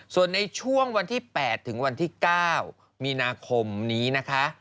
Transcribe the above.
ส่วนในช่วงวันที่๘ถึงวันที่๙มีนาคมนี้นะคะ